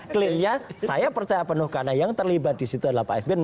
clearnya saya percaya penuh karena yang terlibat di situ adalah pak sby